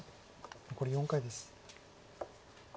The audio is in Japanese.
残り４回です。